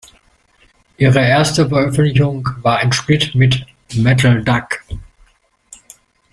Ihre erste Veröffentlichung war ein Split mit "Metal Duck".